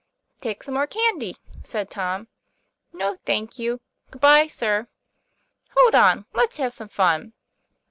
1 'Take some more candy," said Tom. 'No, thank you. Good bye, sir." "Hold on; let's have some fun."